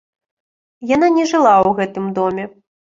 Яна не жыла ў гэтым доме.